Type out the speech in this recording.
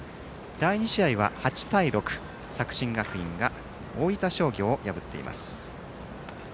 第２試合は、８対６で作新学院が大分商業を破っています。